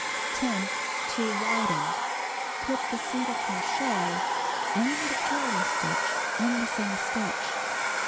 * 10. To widen. — Put (he sin gle crochet ami the curly stitch in the same stitch.